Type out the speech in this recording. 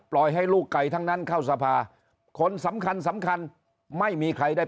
ให้ลูกไก่ทั้งนั้นเข้าสภาคนสำคัญสำคัญไม่มีใครได้